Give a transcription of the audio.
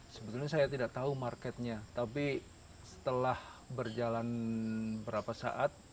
sebetulnya saya tidak tahu marketnya tapi setelah berjalan berapa saat